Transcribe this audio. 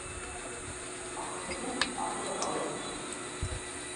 Аҡыллының аҡылы алтын.